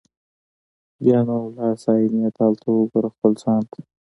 بیا نو ولاړ سه آیینې ته هلته وګوره خپل ځان ته